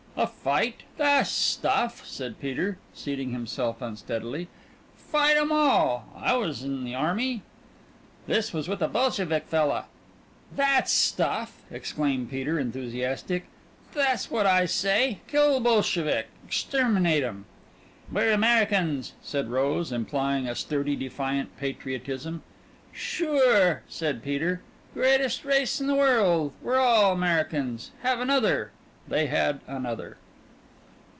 "A fight? tha's stuff!" said Peter, seating himself unsteadily. "Fight 'em all! I was in the army." "This was with a Bolshevik fella." "Tha's stuff!" exclaimed Peter, enthusiastic. "That's what I say! Kill the Bolshevik! Exterminate 'em!" "We're Americuns," said Rose, implying a sturdy, defiant patriotism. "Sure," said Peter. "Greatest race in the world! We're all Americans! Have another." They had another.